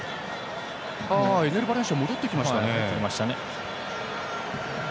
エネル・バレンシアは戻ってきましたね。